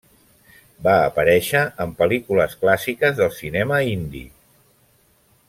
Va aparèixer en pel·lícules clàssiques del cinema hindi.